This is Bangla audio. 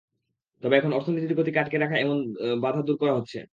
তবে এখন অর্থনীতির গতিকে আটকে রাখে এমন বাধা দূর করা হচ্ছে।